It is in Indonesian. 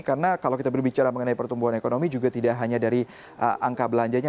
karena kalau kita berbicara mengenai pertumbuhan ekonomi juga tidak hanya dari angka belanjanya